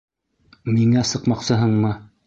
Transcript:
Миңә сыҡмаҡсыһыңмы?